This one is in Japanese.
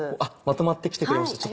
まとまって来てくれました。